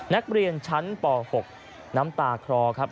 นักเรียนชั้นป๖น้ำตาคลอครับ